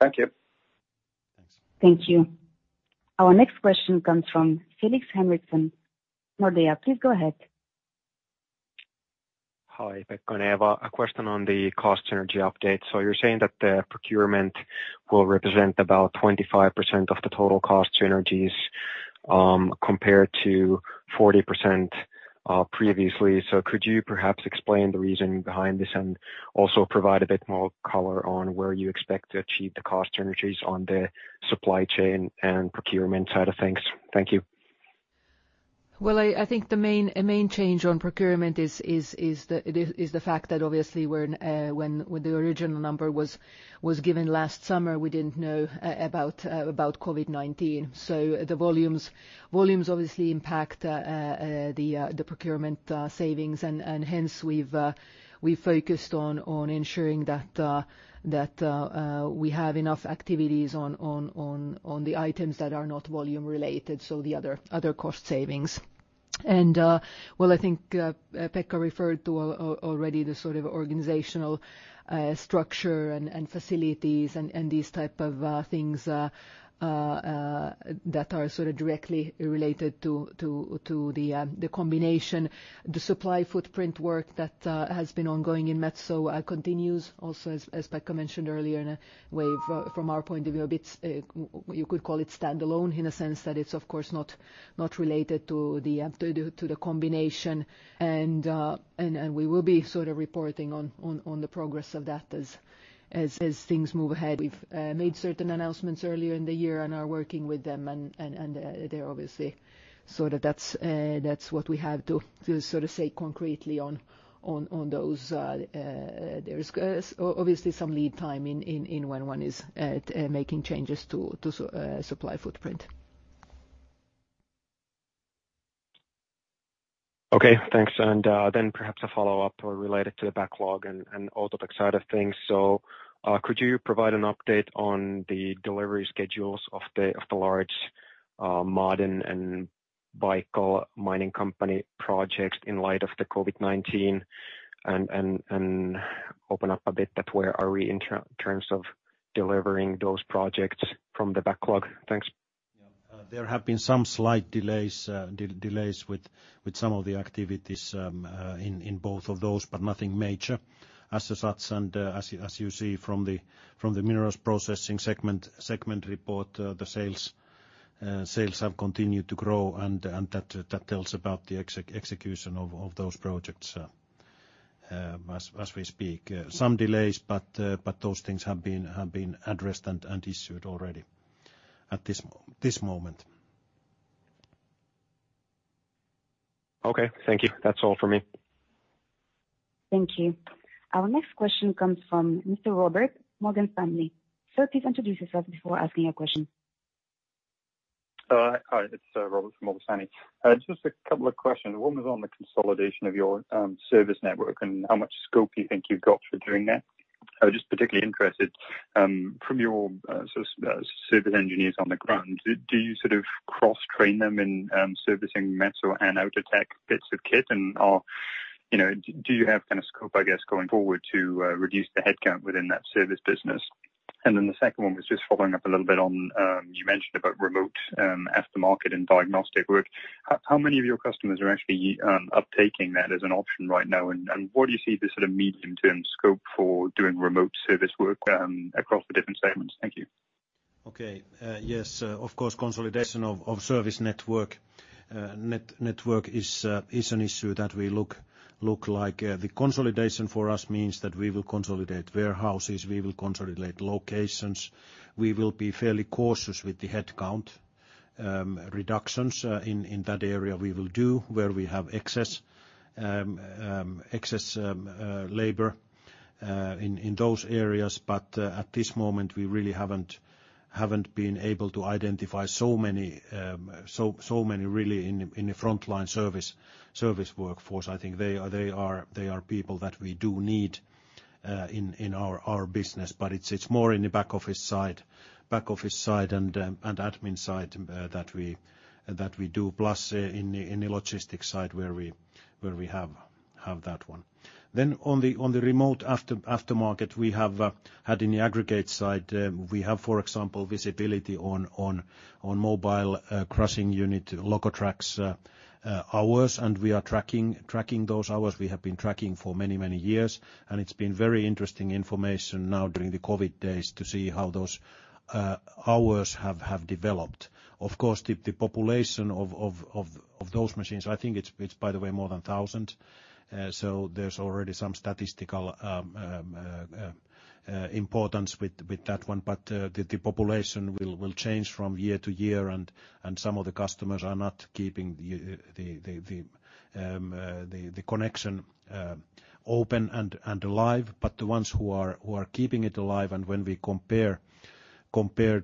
Thank you. Thanks. Thank you. Our next question comes from Felix Henriksson, Nordea. Please go ahead. Hi, Pekka and Eeva. A question on the cost synergy update. You're saying that the procurement will represent about 25% of the total cost synergies, compared to 40% previously. Could you perhaps explain the reasoning behind this and also provide a bit more color on where you expect to achieve the cost synergies on the supply chain and procurement side of things? Thank you. Well, I think a main change on procurement is the fact that obviously when the original number was given last summer, we didn't know about COVID-19. The volumes obviously impact the procurement savings, and hence we focused on ensuring that we have enough activities on the items that are not volume-related, so the other cost savings. Well, I think Pekka referred to already the sort of organizational structure and facilities and these type of things that are sort of directly related to the combination. The supply footprint work that has been ongoing in Metso continues also, as Pekka mentioned earlier, in a way from our point of view, a bit, you could call it standalone in a sense that it's of course not related to the combination. We will be reporting on the progress of that as things move ahead. We've made certain announcements earlier in the year and are working with them, and they're obviously, that's what we have to say concretely on those. There's obviously some lead time in when one is making changes to supply footprint. Okay, thanks. perhaps a follow-up related to the backlog and Outotec side of things. could you provide an update on the delivery schedules of the large modern and vehicle mining company projects in light of the COVID-19 and open up a bit that where are we in terms of delivering those projects from the backlog? Thanks. Yeah. There have been some slight delays with some of the activities in both of those, but nothing major as such. As you see from the minerals processing segment report, the sales have continued to grow, and that tells about the execution of those projects as we speak. Some delays, those things have been addressed and issued already at this moment. Okay, thank you. That's all for me. Thank you. Our next question comes from Robert Pulleyn, Morgan Stanley. Sir, please introduce yourself before asking your question. Hi, it's Robert from Morgan Stanley. Just a couple of questions. One was on the consolidation of your service network and how much scope you think you've got for doing that. I was just particularly interested from your service engineers on the ground, do you sort of cross-train them in servicing Metso and Outotec bits of kit, and do you have kind of scope, I guess, going forward to reduce the headcount within that service business? The second one was just following up a little bit on, you mentioned about remote aftermarket and diagnostic work. How many of your customers are actually uptaking that as an option right now? What do you see the sort of medium-term scope for doing remote service work across the different segments? Thank you. Okay. Yes, of course, consolidation of service network is an issue that we look at. The consolidation for us means that we will consolidate warehouses, we will consolidate locations. We will be fairly cautious with the headcount reductions in that area. We will do where we have excess labor in those areas. At this moment, we really haven't been able to identify so many, really, in the frontline service workforce. I think they are people that we do need in our business. It's more in the back office side and admin side that we do, plus in the logistics side where we have that one. On the remote aftermarket we have had in the aggregate side, we have, for example, visibility on mobile crushing unit Lokotrack hours, and we are tracking those hours we have been tracking for many years. It's been very interesting information now during the COVID days to see how those hours have developed. Of course, the population of those machines, I think it's, by the way, more than 1,000. There's already some statistical importance with that one. The population will change from year to year. Some of the customers are not keeping the connection open and alive, but the ones who are keeping it alive. When we compare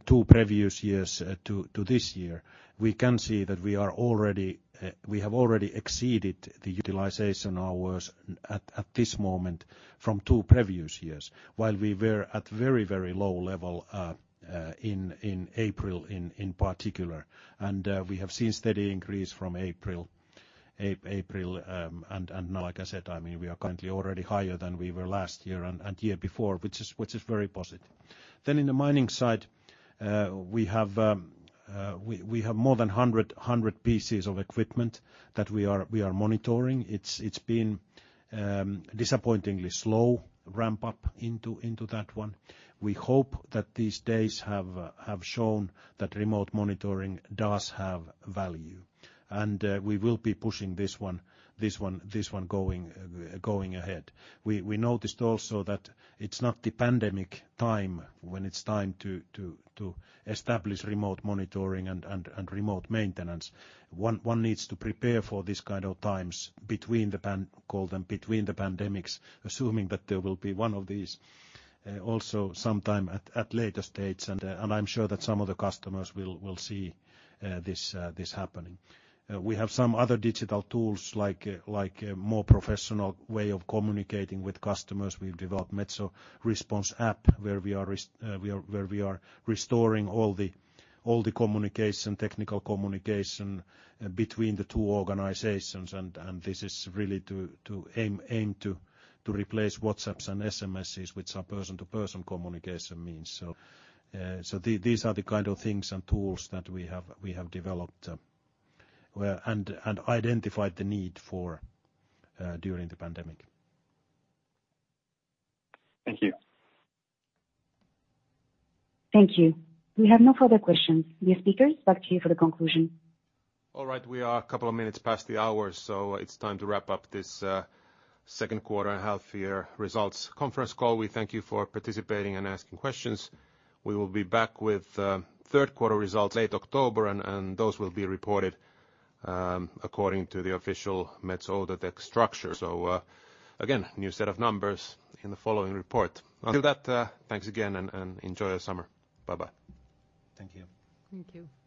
two previous years to this year, we can see that we have already exceeded the utilization hours at this moment from two previous years while we were at very low level in April in particular. We have seen steady increase from April. Now, like I said, we are currently already higher than we were last year and year before, which is very positive. In the mining side, we have more than 100 pieces of equipment that we are monitoring. It's been disappointingly slow ramp-up into that one. We hope that these days have shown that remote monitoring does have value. We will be pushing this one going ahead. We noticed also that it's not the pandemic time when it's time to establish remote monitoring and remote maintenance. One needs to prepare for these kind of times between the pandemics, assuming that there will be one of these also sometime at later stage. I'm sure that some of the customers will see this happening. We have some other digital tools like more professional way of communicating with customers. We've developed Metso Remote IC where we are restoring all the technical communication between the two organizations. This is really to aim to replace WhatsApp and SMSs which are person to person communication means. These are the kind of things and tools that we have developed and identified the need for during the pandemic. Thank you. Thank you. We have no further questions. Dear speakers, back to you for the conclusion. All right. We are a couple of minutes past the hour, so it's time to wrap up this second quarter half-year results conference call. We thank you for participating and asking questions. We will be back with third quarter results late October and those will be reported according to the official Metso Outotec structure. Again, new set of numbers in the following report. Until that, thanks again and enjoy the summer. Bye. Thank you. Thank you.